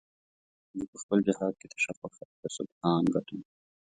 زه په خپل جهاد کې تشه خوښه د سبحان ګټم